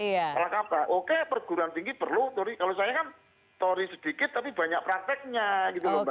malah apa oke perguruan tinggi perlu teori kalau saya kan teori sedikit tapi banyak prakteknya gitu loh mbak